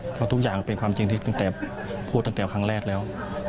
เพราะทุกอย่างเป็นความจริงที่ตั้งแต่พูดตั้งแต่ครั้งแรกแล้ว